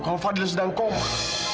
kalau fadil sedang kohonnya